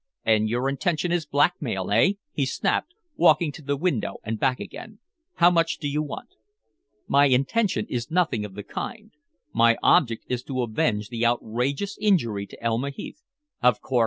"And your intention is blackmail eh?" he snapped, walking to the window and back again. "How much do you want?" "My intention is nothing of the kind. My object is to avenge the outrageous injury to Elma Heath." "Of course.